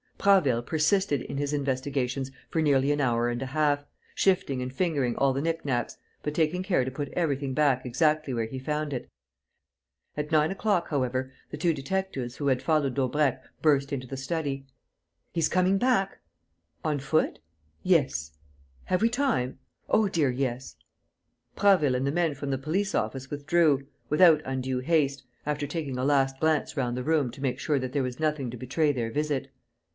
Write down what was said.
Prasville persisted in his investigations for nearly an hour and a half, shifting and fingering all the knick knacks, but taking care to put everything back exactly where he found it. At nine o'clock, however, the two detectives who had followed Daubrecq burst into the study: "He's coming back!" "On foot?" "Yes." "Have we time?" "Oh, dear, yes!" Prasville and the men from the police office withdrew, without undue haste, after taking a last glance round the room to make sure that there was nothing to betray their visit.